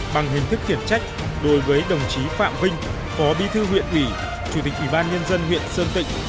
bằng hình thức khiển trách đối với đồng chí phạm vinh phó bí thư huyện ủy chủ tịch ủy ban nhân dân huyện sơn tịnh